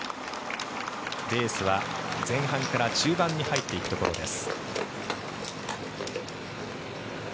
レースは前半から中盤に入っていくところです。